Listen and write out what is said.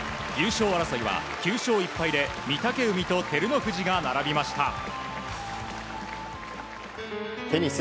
優勝争いは９勝１敗で御嶽海と照ノ富士が並びました。